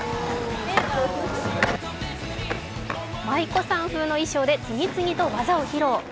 舞妓さん風の衣装で次々と技を披露。